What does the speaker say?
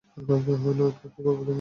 নয়তো কী করবো আমি?